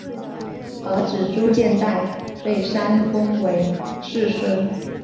儿子朱健杙被册封为世孙。